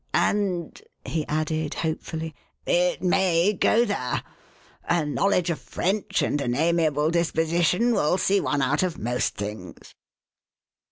And," he added hopefully, it may go there. A know ledge of F'rench and an amiable disposition will see one out of most things."